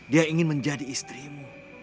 dia ingin menjadi istrimu